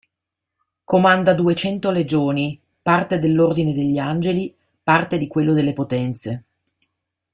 Comanda duecento legioni, parte dell'ordine degli Angeli, parte di quello delle Potenze.